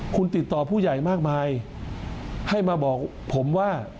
คุณติดต่อผู้ใหญ่มากมายให้มาบอกผมว่า